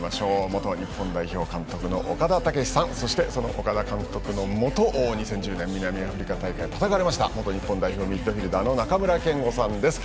元日本代表監督の岡田武史さんそして、その岡田監督のもと２０１０年南アフリカ大会を戦われました元日本代表ミッドフィールダーの中村憲剛さんです。